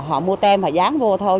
họ mua tem họ dán vô thôi